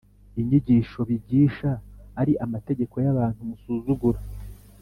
inyigisho bigisha ari amategeko y abantu Musuzugura